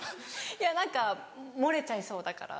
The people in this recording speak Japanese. いや何か漏れちゃいそうだから。